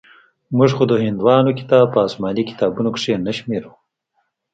موږ خو د هندوانو کتاب په اسماني کتابونو کښې نه شمېرو.